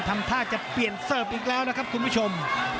ทำท่าจะเปลี่ยนเสิร์ฟอีกแล้วนะครับคุณผู้ชม